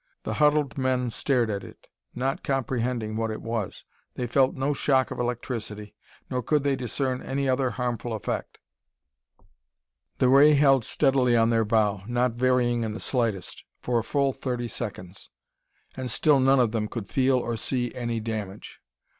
The huddled men stared at it, not comprehending what it was. They felt no shock of electricity, nor could they discern any other harmful effect. The ray held steadily on their bow, not varying in the slightest, for a full thirty seconds. And still none of them could feel or see any damage.